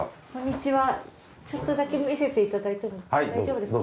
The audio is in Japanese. ちょっとだけ見せていただいても大丈夫ですか？